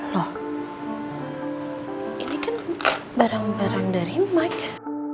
loh ini kan barang barang dari mike